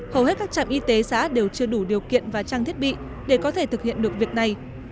hầu hết các trạm y tế xã đều chưa đủ điều kiện và trang thiết bị để có thể thực hiện được việc này